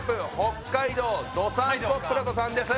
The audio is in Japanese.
北海道どさんこプラザさんです